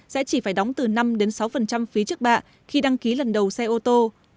sẽ chỉ phải đóng từ năm sáu phí trước bạ khi đăng ký lần đầu xe ô tô